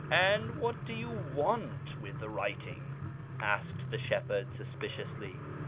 "And Avhat do you want with the writing?" asked tlie shepherd, suspiciously.